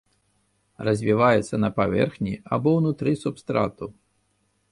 Развіваецца на паверхні або ўнутры субстрату.